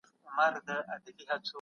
تاسو په دې برخه کي پوره مهارت لرئ.